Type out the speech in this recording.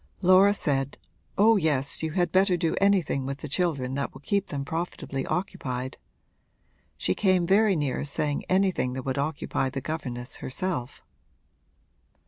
Laura said, 'Oh yes, you had better do anything with the children that will keep them profitably occupied;' she came very near saying anything that would occupy the governess herself.